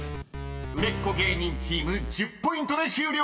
［売れっ子芸人チーム１０ポイントで終了！］